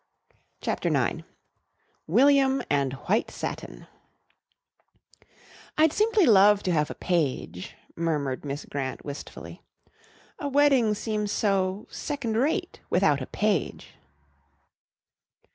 CHAPTER IX WILLIAM AND WHITE SATIN "I'd simply love to have a page," murmured Miss Grant wistfully. "A wedding seems so second rate without a page."